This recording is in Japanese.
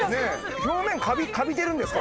表面カビてるんですか？